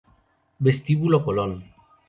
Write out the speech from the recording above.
Vestíbulo Colón